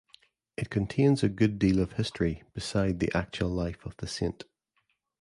It contains a good deal of history beside the actual life of the saint.